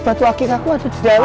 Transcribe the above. patu akik aku ada di jalan